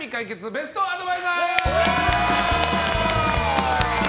ベストアドバイザー。